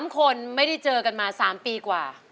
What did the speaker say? ๓คนไม่ได้เจอกันมา๓ปีกว่า